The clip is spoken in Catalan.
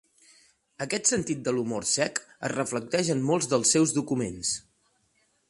Aquest sentit de l'humor sec es reflecteix en molts dels seus documents.